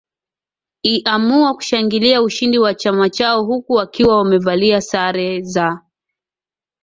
iamua kushangilia ushindi wa chama chao huku wakiwa wamevalia sare za